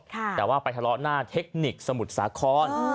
แต่ว่าไปทะเลาะหน้าเทคนิคสมุทรสาคร